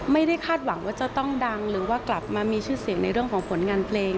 คาดหวังว่าจะต้องดังหรือว่ากลับมามีชื่อเสียงในเรื่องของผลงานเพลง